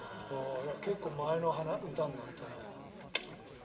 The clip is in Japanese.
結構前の歌になったね。